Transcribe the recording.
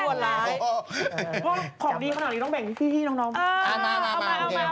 เพราะของดีขนาดนี้ต้องแบ่งให้พี่น้อง